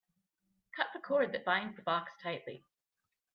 Cut the cord that binds the box tightly.